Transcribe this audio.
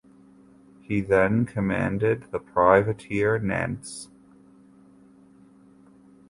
He then commanded the privateer "Nantz".